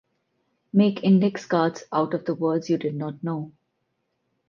Make index cards out of the words you did not know.